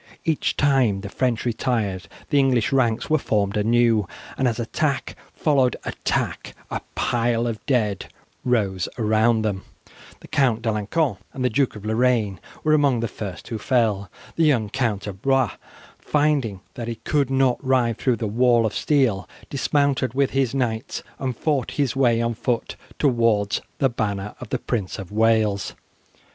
Each time the French retired the English ranks were formed anew, and as attack followed attack a pile of dead rose around them. The Count D'Alencon and the Duke of Lorraine were among the first who fell. The young Count of Blois, finding that he could not ride through the wall of steel, dismounted with his knights and fought his way on foot towards the banner of the Prince of Wales.